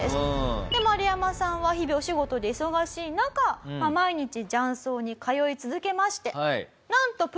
マルヤマさんは昼お仕事で忙しい中毎日雀荘に通い続けましてなんと。